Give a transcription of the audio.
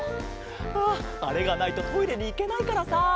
あああれがないとトイレにいけないからさ。